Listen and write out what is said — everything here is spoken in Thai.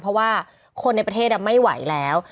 เพราะว่าคนในประเทศไม่ไหวแล้ว